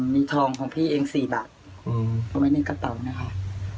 มีทองของพี่เอง๔บาทเอาไว้ในกระเป๋านะคะ